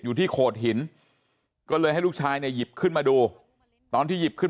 อยู่ที่โขดหินก็เลยให้ลูกชายเนี่ยหยิบขึ้นมาดูตอนที่หยิบขึ้น